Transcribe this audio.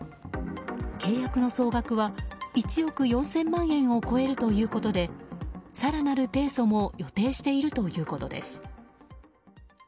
契約の総額は１億４０００万円を超えるということで更なる提訴も予定しているということです。